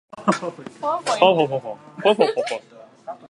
過去にとらわれてると動けない